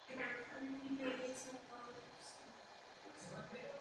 Největší hora soustavy Olympus Mons je situován severozápadním směrem od vulkánu.